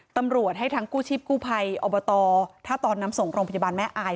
ตำรวจให้ทั้งกู้ชีพกู้ภัยอบตถ้าตอนนำส่งโรงพยาบาลแม่อาย